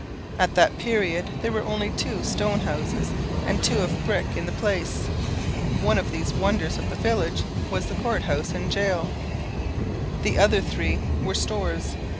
At that period there were only two stone houses and two of brick in the place. One of these wonders of the village was the court house and gaol; the other three were stores.